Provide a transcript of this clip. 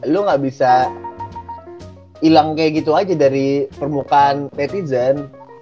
lu gak bisa hilang kayak gitu aja dari permukaan netizen